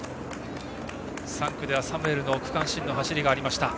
３区ではサムエルの区間新の走りがありました。